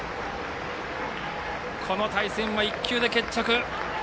この対戦は１球で決着。